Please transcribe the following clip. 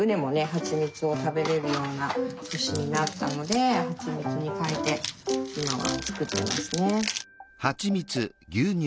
はちみつを食べれるような年になったのではちみつに代えて今は作ってますね。